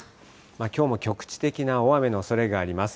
きょうも局地的な大雨のおそれがあります。